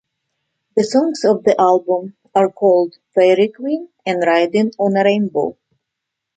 The songs on the album are called "Fairy Queen" and "Riding On a Rainbow.